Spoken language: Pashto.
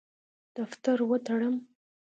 دفتر وتړم.